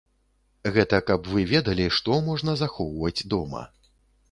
Гэта каб вы ведалі, што можна захоўваць дома.